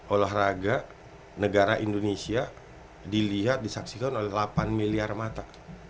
olahraga negara indonesia dilihat disaksikan oleh delapan miliar mata